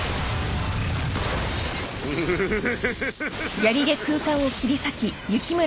・フフフフ。